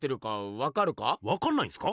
わかんないんすか？